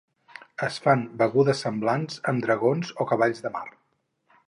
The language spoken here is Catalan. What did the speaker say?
Es fan begudes semblants amb dragons o cavalls de mar.